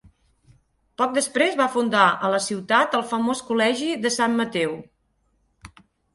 Poc després va fundar a la ciutat el famós col·legi de Sant Mateu.